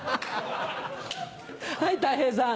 はいたい平さん。